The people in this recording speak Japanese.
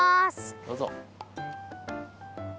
どうぞ。